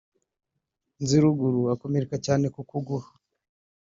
Nziruguru akomereka cyane ku kuguru